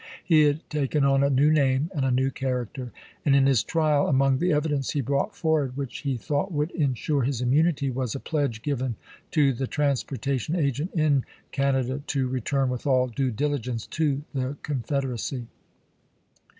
He had taken on a new name and a new character ; and in his trial, among the evidence he brought forward which he thought would insure his immunity, was a pledge given to the transportation agent in Canada to return with all due diligence to the Confederacy.